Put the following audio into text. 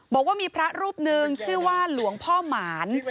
บอกว่ามีพระรูปหนึ่งชื่อว่าหลวงพ่อหมาน